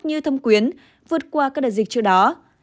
như thâm quyến vượt qua các đợt dịch trước đó